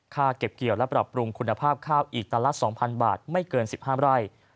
เก็บเกี่ยวและปรับปรุงคุณภาพข้าวอีกตันละ๒๐๐บาทไม่เกิน๑๕ไร่